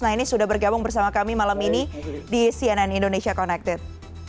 nah ini sudah bergabung bersama kami malam ini di cnn indonesia connected